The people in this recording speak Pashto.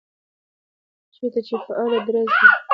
چېرته چې فعال درز وي، هلته باید بنسټيزې پروژي په لوړ معیار آبادې شي